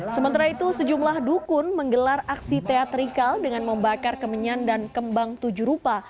sementara itu sejumlah dukun menggelar aksi teatrikal dengan membakar kemenyan dan kembang tujuh rupa